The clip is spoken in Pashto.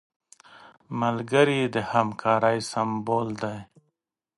ملګری د همکارۍ سمبول دی